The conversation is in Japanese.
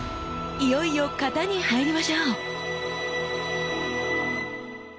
いよいよ型に入りましょう！